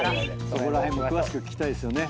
そこら辺も詳しく聞きたいですよね。